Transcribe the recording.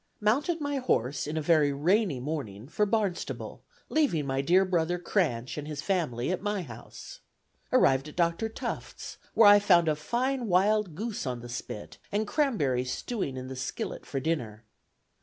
Mounted my horse, in a very rainy morning, for Barnstable, leaving my dear brother Cranch and his family at my house. Arrived at Dr. Tufts', where I found a fine wild goose on the spit, and cranberries stewing in the skillet for dinner.